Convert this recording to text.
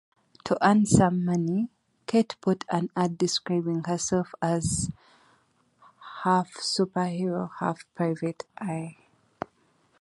To earn some money, Kate put an ad describing herself as half-superhero, half-private eye.